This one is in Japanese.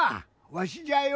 わしじゃよ。